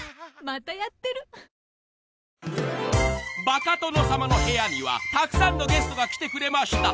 ［バカ殿様の部屋にはたくさんのゲストが来てくれました。